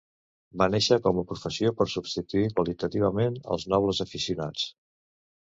Va néixer com a professió per substituir qualitativament els nobles aficionats.